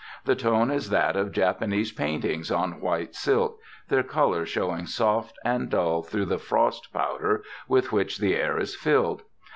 The tone is that of Japanese paintings on white silk, their color showing soft and dull through the frost powder with which the air is filled.